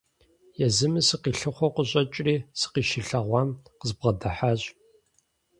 Езыми сыкъилъыхъуэу къыщӀэкӀри, сыкъыщилъагъум, къызбгъэдыхьащ.